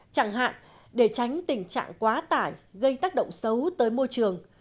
chẳng hạn để tránh tình trạng quá tải gây tác động xấu tới môi trường